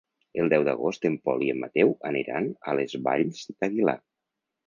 El deu d'agost en Pol i en Mateu aniran a les Valls d'Aguilar.